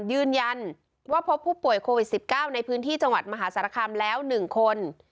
ยืนยันว่าพบผู้ป่วยโควิด๑๙ในพื้นที่จังหวัดมหาสารคามแล้ว๑คน